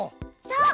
そう。